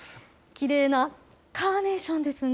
きれいなカーネーションですね。